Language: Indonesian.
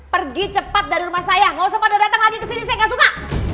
pergi cepat dari rumah saya nggak usah pada datang lagi kesini saya nggak suka